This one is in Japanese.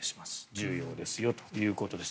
重要ですよということです。